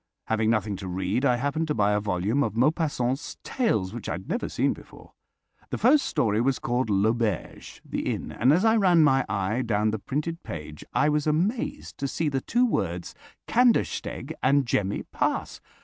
Having nothing to read I happened to buy a volume of Maupassant's Tales which I had never seen before. The first story was called "L'Auberge" (The Inn)—and as I ran my eye down the printed page I was amazed to see the two words, "Kandersteg" and "Gemmi Pass."